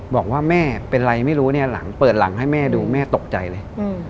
บอกว่าแม่เป็นไรไม่รู้เนี่ยหลังเปิดหลังให้แม่ดูแม่ตกใจเลย